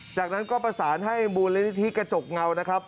จากนั้นก็ประสานให้มูลนิธิกระจกเงานะครับ